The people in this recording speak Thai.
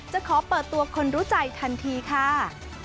จะขอเปิดตัวคนรู้ใจทันทีค่ะ